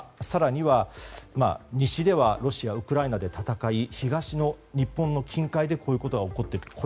更には、西ではロシア、ウクライナで戦い東の日本の近海でこういうことが起こっている。